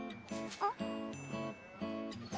あっ。